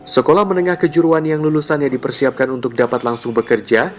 sekolah menengah kejuruan yang lulusannya dipersiapkan untuk dapat langsung bekerja